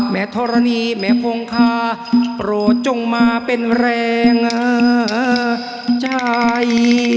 ธรณีแม่คงคาโปรดจงมาเป็นแรงใจ